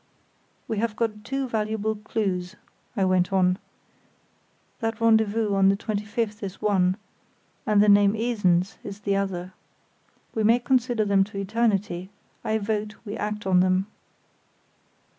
"We have got two valuable clues," I went on; "that rendezvous on the 25th is one, and the name Esens is the other. We may consider them to eternity; I vote we act on them."